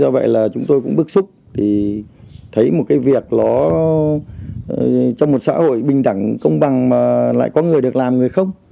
và chúng tôi cũng bức xúc thì thấy một cái việc đó trong một xã hội bình đẳng công bằng mà lại có người được làm người không